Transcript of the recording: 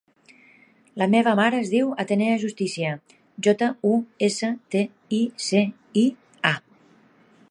La meva mare es diu Atenea Justicia: jota, u, essa, te, i, ce, i, a.